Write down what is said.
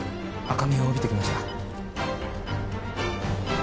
赤みを帯びてきました。